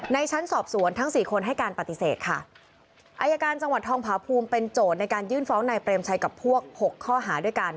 ชั้นสอบสวนทั้งสี่คนให้การปฏิเสธค่ะอายการจังหวัดทองผาภูมิเป็นโจทย์ในการยื่นฟ้องนายเปรมชัยกับพวกหกข้อหาด้วยกัน